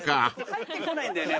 入ってこないんだよね。